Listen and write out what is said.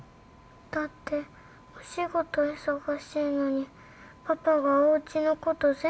だってお仕事忙しいのにパパはおうちのこと全部やってる。